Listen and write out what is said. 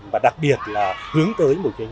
và đặc biệt là hướng tới một cái nguyên liệu